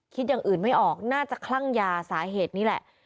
อย่างอื่นไม่ออกน่าจะคลั่งยาสาเหตุนี้แหละ